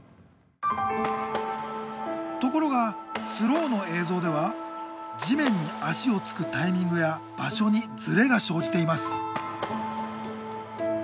ところがスローの映像では地面に足をつくタイミングや場所にずれが生じています。